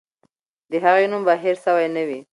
د هغې نوم به هېر سوی نه وي.